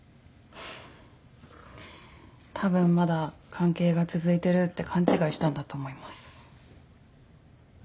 たぶんまだ関係が続いてるって勘違いしたんだと思います。